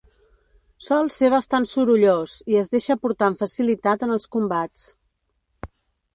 Sòl ser bastant sorollós i es deixa portar amb facilitat en els combats.